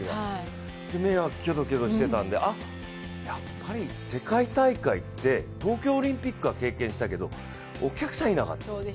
目はキョロキョロしてたんで、やっぱり世界大会って東京オリンピックは経験したけど、お客さんがいなかった。